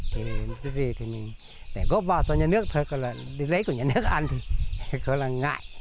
thì cái gì thì mình góp vào cho nhà nước thôi gọi là đi lấy của nhà nước ăn gọi là ngại